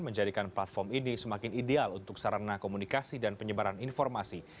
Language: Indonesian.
menjadikan platform ini semakin ideal untuk sarana komunikasi dan penyebaran informasi